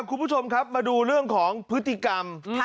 คุณผู้ชมครับมาดูเรื่องของพฤติกรรม